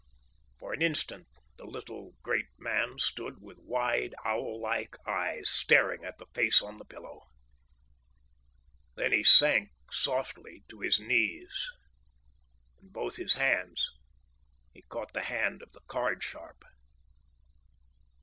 For an instant the little great man stood with wide, owl like eyes, staring at the face on the pillow. Then he sank softly to his knees. In both his hands he caught the hand of the card sharp.